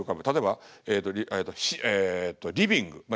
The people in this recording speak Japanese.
例えばえっとリビング。